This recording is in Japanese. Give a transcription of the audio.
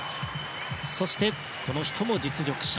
そして、この人も実力者